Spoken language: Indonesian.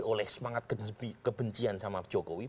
oleh semangat kebencian sama jokowi